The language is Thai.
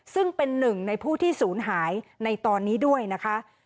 ซึ่งเป็นหนึ่งในผู้ที่ศูนย์หายในตอนนี้ด้วยนะคะ